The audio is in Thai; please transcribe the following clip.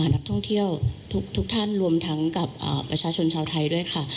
นักท่องเที่ยวทุกท่านรวมทั้งกับประชาชนชาวไทยด้วยค่ะ